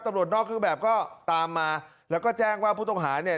ตำรวจนอกเครื่องแบบก็ตามมาแล้วก็แจ้งว่าผู้ต้องหาเนี่ย